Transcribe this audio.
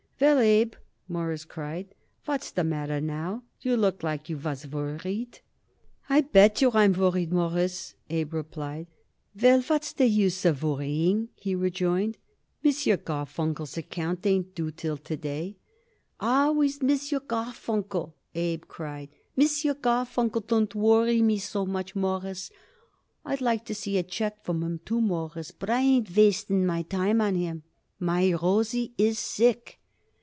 "Well, Abe," Morris cried, "what's the matter now? You look like you was worried." "I bet yer I'm worried, Mawruss," Abe replied. "Well, what's the use of worrying?" he rejoined. "M. Garfunkel's account ain't due till to day." "Always M. Garfunkel!" Abe cried. "M. Garfunkel don't worry me much, Mawruss. I'd like to see a check from him, too, Mawruss, but I ain't wasting no time on him. My Rosie is sick."